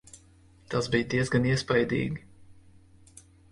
Tas bija diezgan iespaidīgi.